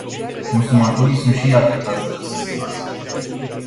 Consumatorii sunt și ei afectați de această situație.